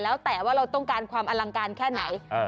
แล้วแต่ว่าเราต้องการความอลังการแค่ไหน